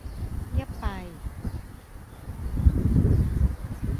เงียบไป